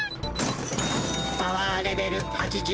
「パワーレベル８８」。